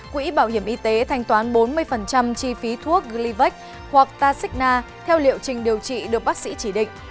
quỹ bảo hiểm y tế thanh toán bốn mươi chi phí thuốc glyvac hoặc taxina theo liệu trình điều trị được bác sĩ chỉ định